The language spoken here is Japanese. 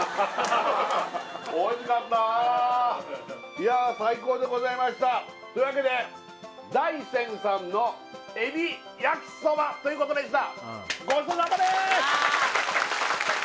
いやあ最高でございましたというわけで大仙さんの海老焼そばということでした